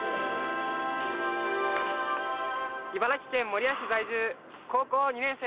茨城県守谷市在住高校２年生。